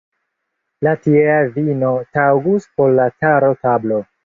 La tiea vino taŭgus por la cara tablo.